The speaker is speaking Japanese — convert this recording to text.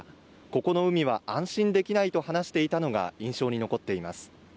ここの海は安心できないと話していたのが印象に残っています